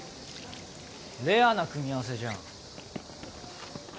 レアな組み合わせじゃん